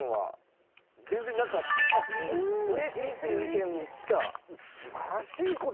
嬉しいっていう意見しか。